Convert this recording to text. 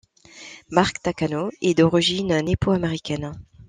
Mark Takano est d'origine nippo-américaine.